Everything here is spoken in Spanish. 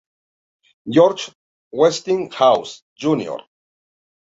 George Westinghouse, Jr.